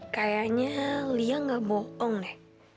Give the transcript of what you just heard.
kayaknya lia gak bohong deh